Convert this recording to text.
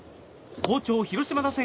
好調・広島打線